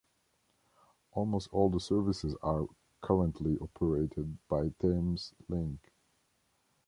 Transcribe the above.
Almost all the services are currently operated by Thameslink.